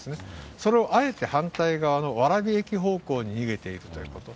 そのあえて反対側の蕨駅方向に逃げているということ。